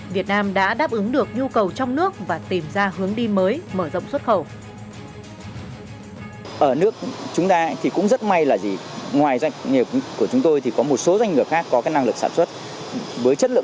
việt nam đã đáp ứng được nhu cầu trong nước và tìm ra hướng đi mới mở rộng xuất khẩu